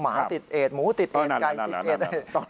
หมาติดเอดหมูติดเอ็ดไก่ติดเอด